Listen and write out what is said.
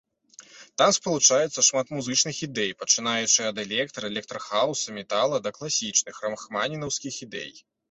Там спалучаецца шмат музычных ідэй, пачынаючы ад электра, электрахаўса, метала да класічных, рахманінаўскіх ідэй.